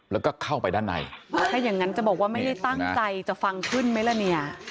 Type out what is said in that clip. แล้วก็เข้าไปด้านในถ้าอย่างนั้นจะบอกว่าไม่ได้ตั้งใจจะฟังขึ้นไหมล่ะเนี่ย